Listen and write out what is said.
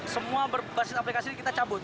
semua berbasis aplikasi ini kita cabut